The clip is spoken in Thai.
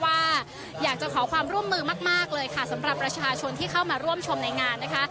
ว่าอยากจะขอความร่วมมือมากเลยค่ะสำหรับประชาชนที่เข้ามาร่วมชมในงานนะคะ